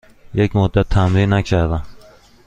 یک مدت تمرین نکردم.